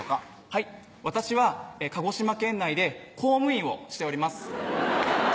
はい私は鹿児島県内で公務員をしております